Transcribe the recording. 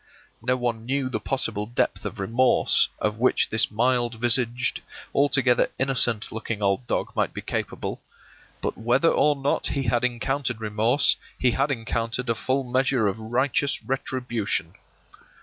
No one knew the possible depth of remorse of which this mild visaged, altogether innocent looking old dog might be capable; but whether or not he had encountered remorse, he had encountered a full measure of righteous retribution.